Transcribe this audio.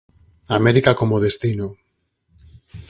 América como destino